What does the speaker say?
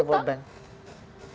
enggak usah berhutang